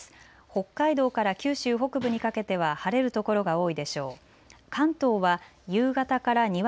北海道から九州北部にかけては晴れる所が多いでしょう。